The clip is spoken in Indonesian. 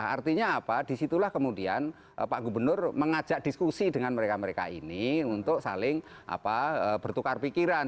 artinya apa disitulah kemudian pak gubernur mengajak diskusi dengan mereka mereka ini untuk saling bertukar pikiran